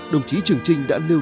đồng chí trường trinh đã nêu